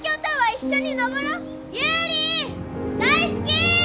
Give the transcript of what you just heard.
大好き！